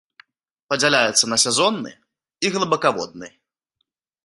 Падзяляецца на сезонны і глыбакаводны.